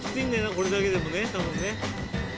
これだけでもねたぶんね。